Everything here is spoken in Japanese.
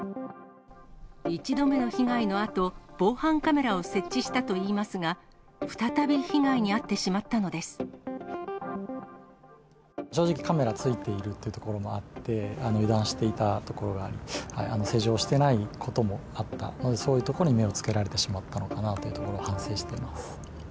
１度目の被害のあと、防犯カメラを設置したといいますが、再び被害に遭ってしまったの正直、カメラついているというところもあって、油断していたところが、施錠してないこともあったので、そういうところに目をつけられてしまったのかなというところを反省してます。